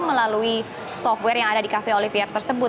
melalui software yang ada di cafe olivier tersebut